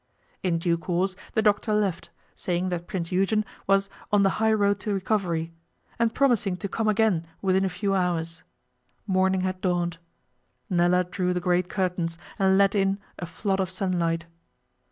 In due course the doctor left, saying that Prince Eugen was 'on the high road to recovery,' and promising to come again within a few hours. Morning had dawned. Nella drew the great curtains, and let in a flood of sunlight.